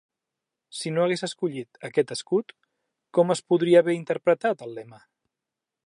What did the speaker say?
Si no hagués escollit aquest escut, com es podria haver interpretat el lema?